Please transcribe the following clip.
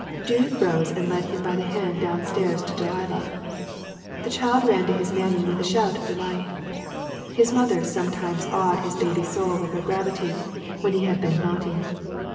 Judith rose and led him by the hand down stairs to Delilah. The child ran to his mammy with a shout of delight. His mother sometimes awed his baby soul with her gravity, when he had been naughty.